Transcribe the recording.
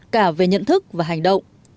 cả về nhận thức và hành động